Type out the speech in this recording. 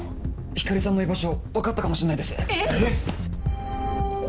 光莉さんの居場所分かったかもしれないです。